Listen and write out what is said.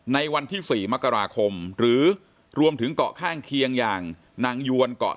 ในวันที่๔มกราคมหรือรวมถึงเกาะข้างเคียงอย่างนางยวนเกาะ